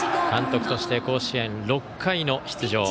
監督として甲子園、６回の出場。